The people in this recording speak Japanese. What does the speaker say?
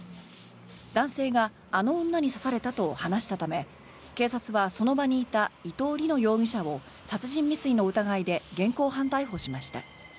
男性があの女に刺されたと話したため警察は、その場にいた伊藤りの容疑者を殺人未遂の疑いで現行犯逮捕しました。